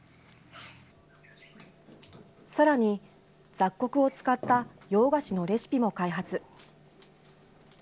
さらに、雑穀を使った洋菓子のレシピも開発。